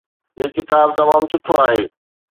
هي ڪتاب تمام سٺو آهي